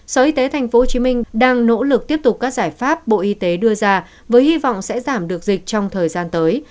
sở y tế tp hcm đang nỗ lực tiếp tục các giải pháp bộ y tế đưa ra với hy vọng sẽ giảm được dịch trong thời gian tới